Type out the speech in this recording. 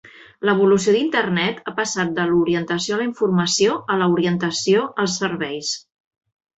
L'evolució d'Internet ha passat de l'orientació a la informació a la orientació als serveis.